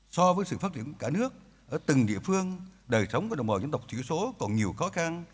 so với sự phát triển của cả nước ở từng địa phương đời sống của đồng bào dân tộc thiểu số còn nhiều khó khăn